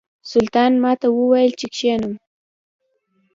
سلطان ماته وویل چې کښېنم.